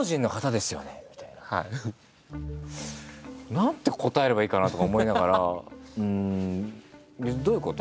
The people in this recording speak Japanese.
何て答えればいいかな？とか思いながら「どういうこと？」